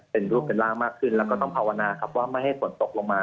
เป็นรูปเป็นร่างมากขึ้นแล้วก็ต้องภาวนาครับว่าไม่ให้ฝนตกลงมา